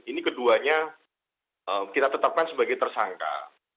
ini keduanya kita tetapkan sebagai tersangka